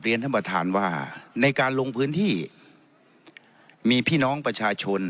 ท่านประธานว่าในการลงพื้นที่มีพี่น้องประชาชน